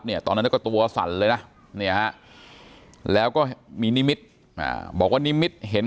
ตอนนั้นก็ตัวสั่นเลยนะเนี่ยฮะแล้วก็มีนิมิตรบอกว่านิมิตเห็น